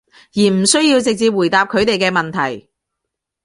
而唔需要直接回答佢哋嘅問題